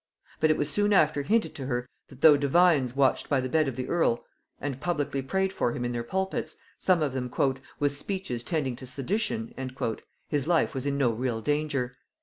But it was soon after hinted to her, that though divines watched by the bed of the earl and publicly prayed for him in their pulpits, some of them "with speeches tending to sedition," his life was in no real danger.